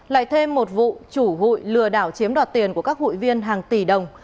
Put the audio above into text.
lại thêm một vụ chủ hội lừa đảo chiếm đoạt tiền của các hội viên hàng tỷ đồng